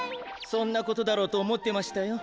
そんなことだろうとおもってましたよ。